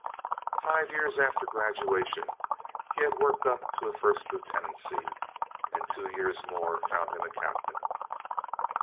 Five years after graduation he had worked up to a first lieutenancy, and two years more found him a captain.